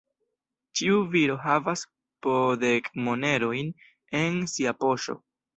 Ĉiu viro havas po dek monerojn en sia poŝo.